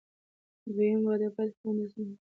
دویم واده باید حتماً د رسمي محکمې په اجازه ترسره شي.